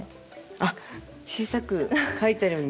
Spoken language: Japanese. あっ小さく書いてある「長い」。